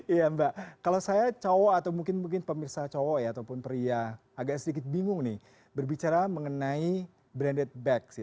iya mbak kalau saya cowok atau mungkin mungkin pemirsa cowok ya ataupun pria agak sedikit bingung nih berbicara mengenai branded back